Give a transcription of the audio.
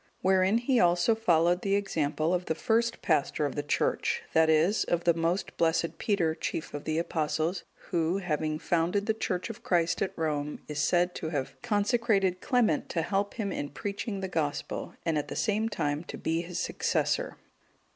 Wherein he also followed the example of the first pastor of the Church, that is, of the most blessed Peter, chief of the Apostles, who, having founded the Church of Christ at Rome, is said to have consecrated Clement to help him in preaching the Gospel, and at the same time to be his successor.